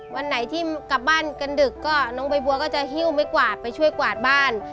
วันไหนที่กลับบ้านกันดึกก็น้องใบบัวก็จะหิ้วไม่กวาดไปช่วยกวาดบ้าน